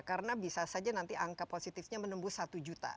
karena bisa saja nanti angka positifnya menembus satu juta